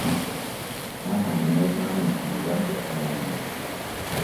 Maama gwe baŋŋambye nti mulwadde ate anywa mwenge?